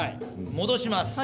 戻します。